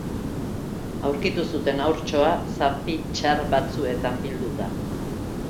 Aurkitu zuten Haurtxoa zapi txar batzuetan bilduta.